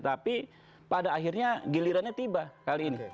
tapi pada akhirnya gilirannya tiba kali ini